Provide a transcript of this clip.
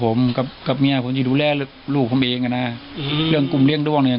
ผมกับกับเมียผมจะดูแลลูกผมเองอ่ะนะเรื่องกลุ่มเลี้ยด้วงเนี่ย